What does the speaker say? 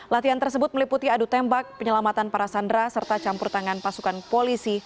latihan tersebut meliputi adu tembak penyelamatan para sandera serta campur tangan pasukan polisi